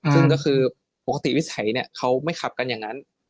ซึ่งก็คือปกติวิสัยเนี่ยเขาไม่ขับกันอย่างนั้น